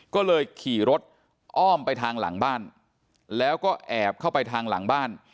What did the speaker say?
ก็เลยขี่รถอ้อมไปทางหลังบ้านแล้วก็แอบเข้าไปทางหลังบ้าน